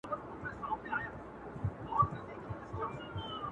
که د خولې مهر په حلوا مات کړي,